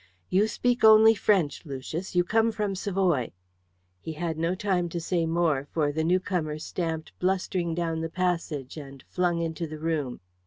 "You speak only French, Lucius. You come from Savoy." He had no time to say more, for the new comer stamped blustering down the passage and flung into the room.